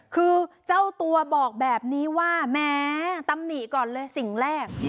คือเจ้าตัวบอกแบบนี้ว่าแม้ตำหนิก่อนเลยสิ่งแรก